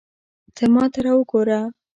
ته ماته را وګوره